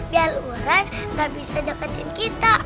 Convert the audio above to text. biar orang gak bisa deketin kita